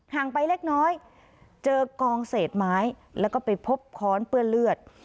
งไปเล็กน้อยเจอกองเศษไม้แล้วก็ไปพบค้อนเปื้อนเลือด